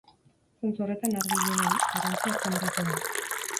Zentzu horretan argi-ilunen garrantzia azpimarratu behar da.